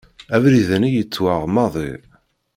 Abrid-nni γettwaɣ maḍi.